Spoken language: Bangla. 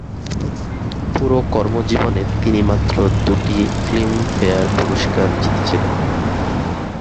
পুরো কর্মজীবনে তিনি মাত্র দুটি 'ফিল্মফেয়ার পুরস্কার' জিতেছিলেন।